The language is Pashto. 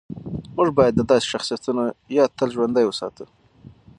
موږ باید د داسې شخصیتونو یاد تل ژوندی وساتو.